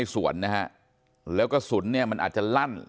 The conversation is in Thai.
สวัสดีครับ